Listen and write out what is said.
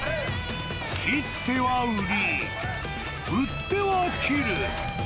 切っては売り、売っては切る。